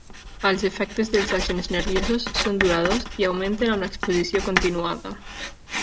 Els efectes dels agents nerviosos són duradors i augmenten amb l'exposició continuada.